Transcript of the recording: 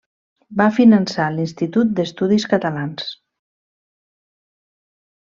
Va finançar l'Institut d'Estudis Catalans.